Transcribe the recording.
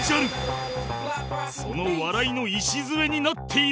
その笑いの礎になっているのが